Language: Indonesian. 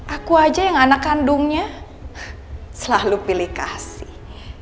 aku aja yang anak kandungnya selalu pilih kasih